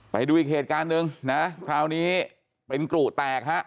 ไปดูอีกเหตุการณ์หนึ่งนะคราวนี้เป็นกรุแตกฮะ